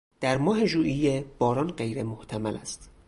در ماه ژوئیه باران غیر محتمل است.